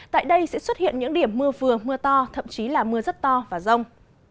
tại đây sẽ xuất hiện những điểm mưa vừa mưa to thậm chí là mưa rất to và rông